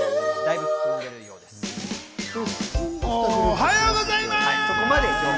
おはようございます。